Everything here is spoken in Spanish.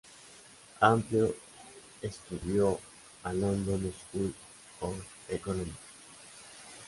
Amplió estudios a la London School of Economics.